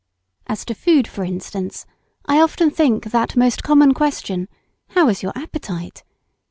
As to food, for instance, I often think that most common question, How is your appetite?